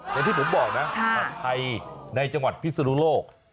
อย่างที่ผมบอกนะผัดไทยในจังหวัดพิศนุโลก